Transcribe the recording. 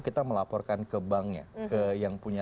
kita melaporkan ke banknya ke yang punya